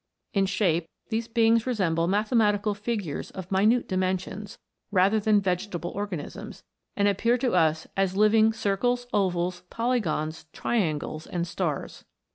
In shape, these beings resemble mathematical figures of minute dimensions, rather than vegetable organisms; and appear to us as living circles, ovals, polygons, triangles, and stars.